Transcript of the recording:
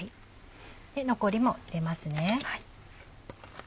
残りも入れますね。